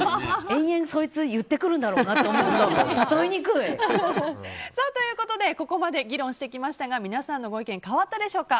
延々、言ってくるんだろうなと思うと誘いづらい。ということでここまで議論してきましたが皆さんのご意見変わったでしょうか。